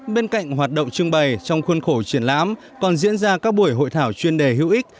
bên cạnh hoạt động trưng bày trong khuôn khổ triển lãm còn diễn ra các buổi hội thảo chuyên đề hữu ích